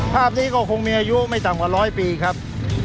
ภาพนี้ก็คงมีอายุไม่ต่ำกว่าร้อยปีครับ